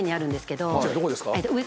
どこですか？